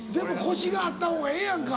コシがあった方がええやんか。